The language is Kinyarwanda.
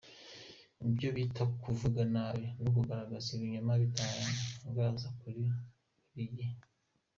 Ibyo bita kuvuga nabi n’ukugaragaza ibinyoma batangaza buri gihe.